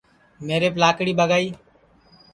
میریپ لاکڑی ٻگائی